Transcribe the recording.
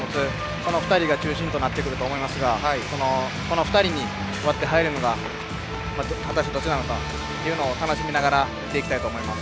この２人が中心となると思いますがその２人に割って入るのが果たしてどっちなのかを楽しみながら見ていきたいと思います。